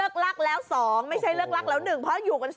มันกลับมาที่สุดท้ายแล้วมันกลับมาที่สุดท้ายแล้ว